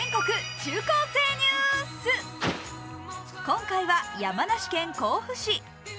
今回は山梨県甲府市。